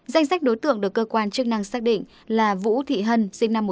danh sách đối tượng được cơ quan chức năng xác định là vũ thị hân sinh năm một nghìn chín trăm tám mươi